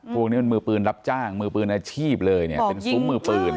พวกนี้มันมือปืนรับจ้างมือปืนอาชีพเลยเนี่ยเป็นซุ้มมือปืน